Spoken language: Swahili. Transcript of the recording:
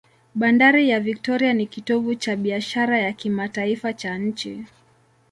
Bandari ya Victoria ni kitovu cha biashara ya kimataifa cha nchi.